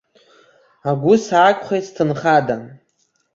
Агәы саақәхеит сҭынхадан.